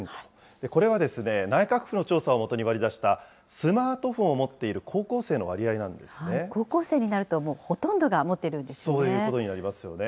これは内閣府の調査をもとに割り出したスマートフォンを持ってい高校生になると、もうほとんそういうことになりますよね。